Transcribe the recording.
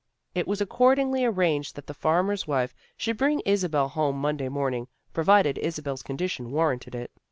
It was accordingly arranged that the farmer's wife should bring Isabel home Monday morn ing, provided Isabel's condition warranted it.